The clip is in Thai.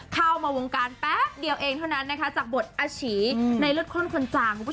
เข้ามาวงการแป๊บเดี่ยวเองเท่านั้นจากบทอาฉีในฤดข้นคนจ่าง